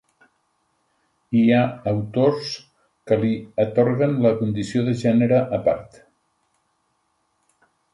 Hi ha autors que li atorguen la condició de gènere a part.